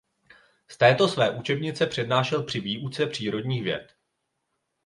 Z této své učebnice přednášel při výuce přírodních věd.